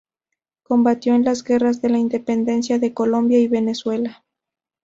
Combatió en las guerras de independencia de Colombia y Venezuela.